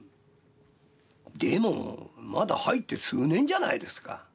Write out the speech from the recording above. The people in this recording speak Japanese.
でもまだ入って数年じゃないですか。